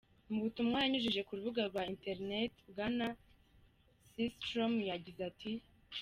Mu butumwa yanyujije ku rubuga rwa interineti, Bwana Systrom yagize ati:.